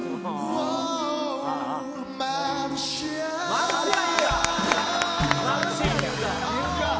マルシア！